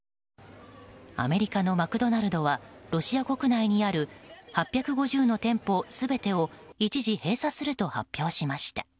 アメリカのマクドナルドはロシア国内にある８５０の店舗全てを一時閉鎖すると発表しました。